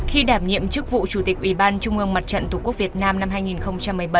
khi đảm nhiệm chức vụ chủ tịch ủy ban trung ương mặt trận tổ quốc việt nam năm hai nghìn một mươi bảy